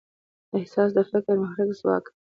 احساس د فکر محرک ځواک دی.